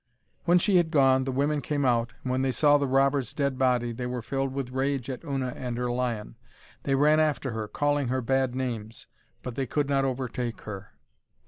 When she had gone, the women came out, and when they saw the robber's dead body, they were filled with rage at Una and her lion. They ran after her, calling her bad names, but they could not overtake her.